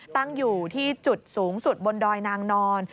ตั้งอยู่ที่จุดสูงสุดบนดอยนางนอน